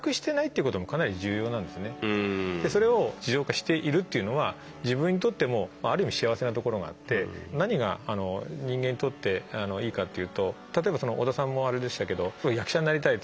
それを自動化しているっていうのは自分にとってもある意味幸せなところがあって何が人間にとっていいかっていうと例えば織田さんもあれでしたけど役者になりたい